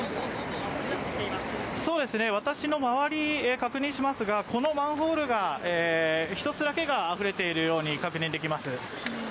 私の周りを確認しますが、このマンホール１つだけがあふれているように確認できます。